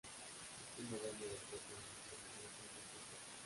Es una dama de clase alta, elegante y muy seria.